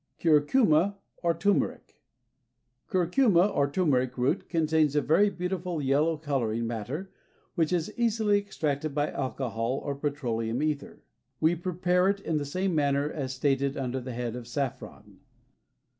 Curcuma or Turmeric. Curcuma or turmeric root contains a very beautiful yellow coloring matter which is easily extracted by alcohol or petroleum ether. We prepare it in the same manner as stated under the head of saffron.